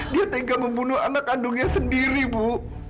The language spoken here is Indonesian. dia tega membunuh anak kandungnya sendiri bu